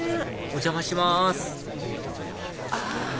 お邪魔しますあ！